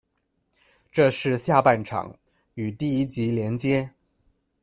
这是下半场，与第一集连接」。